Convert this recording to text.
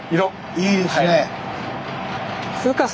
いいですね！